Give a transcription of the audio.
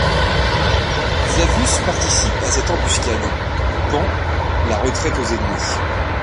Flavius participe à cette embuscade, coupant la retraite aux ennemis.